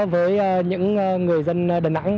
với những người dân đà nẵng